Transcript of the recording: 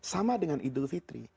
apa yang berarti dengan idul fitri